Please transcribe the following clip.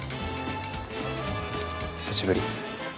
久しぶり。